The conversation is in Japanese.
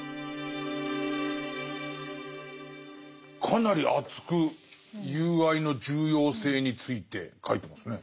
かなり熱く友愛の重要性について書いてますね。